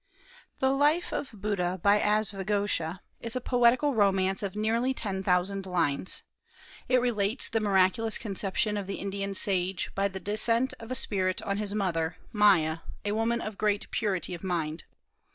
The Life of Buddha by Asvaghosha is a poetical romance of nearly ten thousand lines. It relates the miraculous conception of the Indian sage, by the descent of a spirit on his mother, Maya, a woman of great purity of mind.